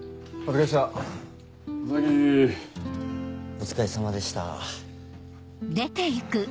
お疲れさまでした。